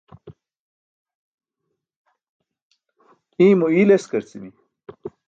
Iymo iyl eskarci̇mi̇.